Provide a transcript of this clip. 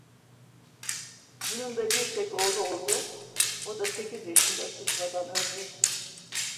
Bunun da bir tek oğlu oldu, o da sekiz yaşında sıtmadan öldü.